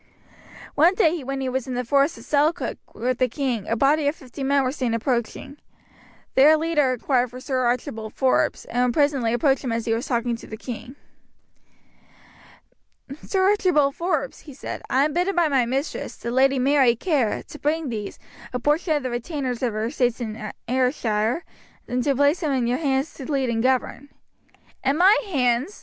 One day when he was in the forest of Selkirk with the king a body of fifty men were seen approaching. Their leader inquired for Sir Archibald Forbes, and presently approached him as he was talking to the king. "Sir Archibald Forbes," he said, "I am bidden by my mistress, the lady Mary Kerr, to bring these, a portion of the retainers of her estates in Ayrshire, and to place them in your hands to lead and govern." "In my hands!"